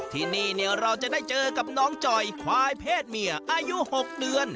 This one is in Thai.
ที่นี่เราจะได้เจอกับน้องจ่อยควายเพศเมียอายุ๖เดือน